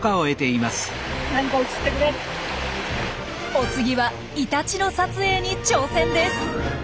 お次はイタチの撮影に挑戦です。